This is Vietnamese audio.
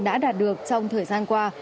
đã đạt được trong thời gian qua